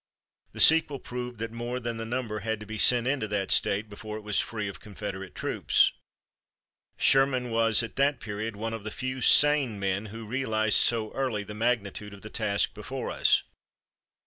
The sequel proved that more than that number had to be sent into that State before it was free of Confederate troops. Sherman was at that period one of the few sane men who realized so early the magnitude of the task before us.